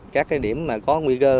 các cái điểm mà có nguy cơ